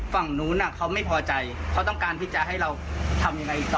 ฝั่งนู้นเขาไม่พอใจเขาต้องการที่จะให้เราทำยังไงต่อ